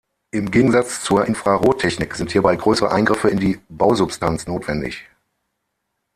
Im Gegensatz zur Infrarot-Technik sind hierbei größere Eingriffe in die Bausubstanz notwendig.